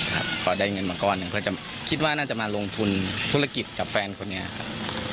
เพราะได้เงินมาก้อนหนึ่งเพื่อจะคิดว่าน่าจะมาลงทุนธุรกิจกับแฟนคนนี้ครับ